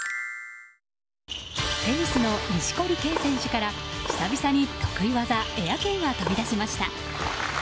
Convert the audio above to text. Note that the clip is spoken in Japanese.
テニスの錦織圭選手から久々に得意技エア・ケイが飛び出しました。